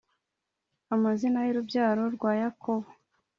Amazina y urubyaro rwa Yakobo